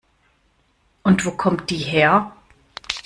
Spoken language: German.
Und wo kommt die her?